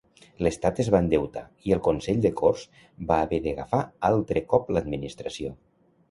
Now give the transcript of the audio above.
L'estat es va endeutar i el consell de corts va haver d'agafar altre cop l'administració.